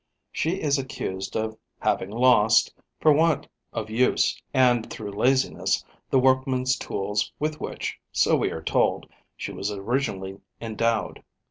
She is accused of having lost, for want of use and through laziness, the workman's tools with which, so we are told, she was originally endowed.